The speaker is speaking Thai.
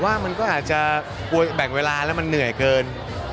ว่ามันก็อาจจะแบ่งเวลาแล้วมันเหนื่อยเกิน